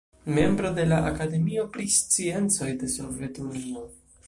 Membro de la Akademio pri Sciencoj de Sovetunio.